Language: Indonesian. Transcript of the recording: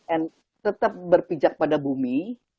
and tetap berpijak pada bumi